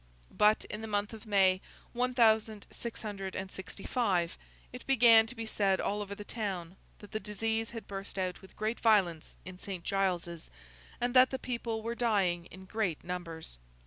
But, in the month of May, one thousand six hundred and sixty five, it began to be said all over the town that the disease had burst out with great violence in St. Giles's, and that the people were dying in great numbers.